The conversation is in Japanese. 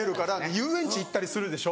遊園地行ったりするでしょ